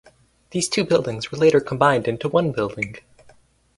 These two buildings were later combined into one building.